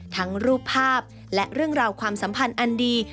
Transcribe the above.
รูปภาพและเรื่องราวความสัมพันธ์อันดี